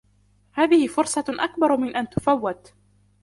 هذه فرصة أكبر من أن تفوّت.